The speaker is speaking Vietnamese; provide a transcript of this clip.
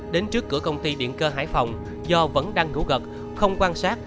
đến trước cửa công ty điện cơ hải phòng do vẫn đang ngủ gật không quan sát